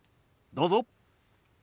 どうぞ。